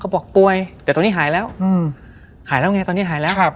บอกป่วยแต่ตอนนี้หายแล้วหายแล้วไงตอนนี้หายแล้ว